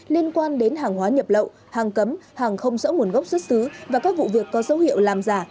liên quan đến hàng hóa nhập lậu hàng cấm hàng không rõ nguồn gốc xuất xứ và các vụ việc có dấu hiệu làm giả